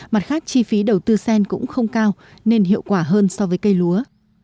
mặt khác chi phí đầu tư sen cũng không cao nên hiệu quả hơn so với cây lúa